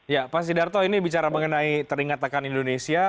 ya pak sidarto ini bicara mengenai teringatakan indonesia